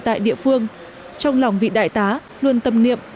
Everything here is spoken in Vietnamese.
tại địa phương trong lòng vị đại tá luôn tâm niệm